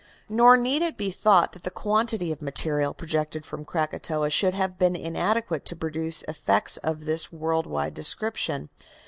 Nor need it be thought that the quantity of material projected from Krakatoa should have been inadequate to produce effects of this world wide description.